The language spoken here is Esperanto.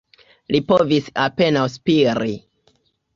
Li povis apenaŭ spiri.